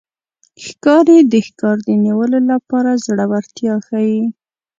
ښکاري د ښکار د نیولو لپاره زړورتیا ښيي.